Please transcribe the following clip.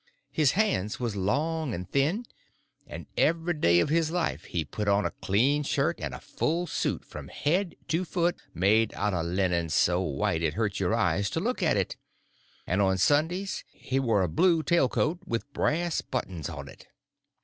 His hands was long and thin, and every day of his life he put on a clean shirt and a full suit from head to foot made out of linen so white it hurt your eyes to look at it; and on Sundays he wore a blue tail coat with brass buttons on it.